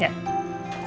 pilihan berturut turut lu